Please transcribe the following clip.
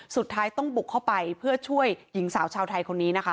สุดท้ายต้องบุกเข้าไปเพื่อช่วยหญิงสาวชาวไทยคนนี้นะคะ